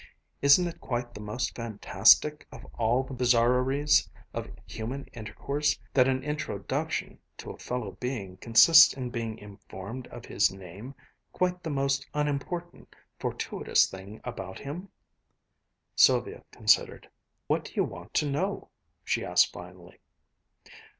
Isn't it quite the most fantastic of all the bizarreries of human intercourse that an 'introduction' to a fellow being consists in being informed of his name, quite the most unimportant, fortuitous thing about him?" Sylvia considered. "What do you want to know?" she asked finally.